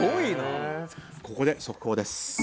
ここで速報です。